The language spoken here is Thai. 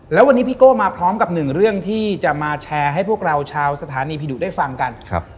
แล้ววันนี้พี่โก้มาพร้อมกับหนึ่งเรื่องที่จะมาแชร์ให้พวกเราชาวสถานีผีดุได้ฟังกัน